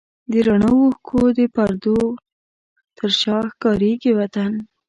د رڼو اوښکو د پردو تر شا ښکارېږي وطن